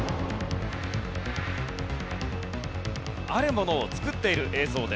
あるものを作っている映像です。